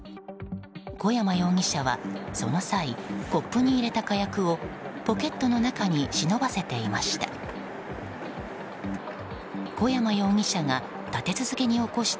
小山容疑者はその際、コップに入れた火薬をポケットの中に忍ばせていました。